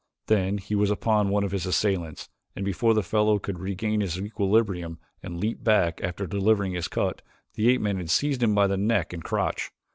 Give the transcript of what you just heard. Then he was upon one of his assailants and before the fellow could regain his equilibrium and leap back after delivering his cut, the ape man had seized him by the neck and crotch.